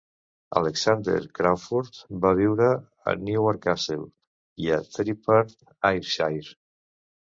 Alexander Craufurd va viure a Newark Castle i a Thirdpart, Ayrshire.